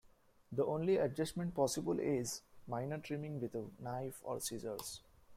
The only adjustment possible is minor trimming with a knife or scissors.